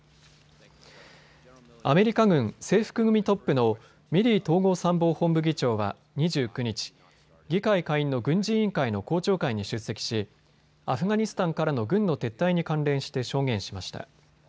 アメリカ軍制服組トップのミリー統合参謀本部議長は２９日、議会下院の軍事委員会の公聴会に出席し、アフガニスタンからの軍の撤退に関連して証言しました。